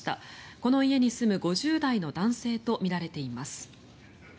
この家に住む５０代の男性とみられています。